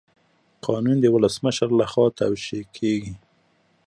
قانون د ولسمشر لخوا توشیح کیږي.